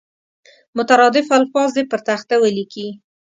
مترادف الفاظ دې پر تخته ولیکي.